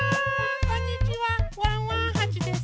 こんにちはワンワンはちです。